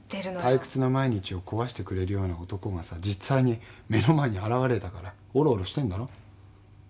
退屈な毎日を壊してくれる男が実際に目の前に現れたからおろおろしてんだろ？